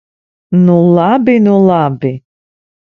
Nu labi, nu labi!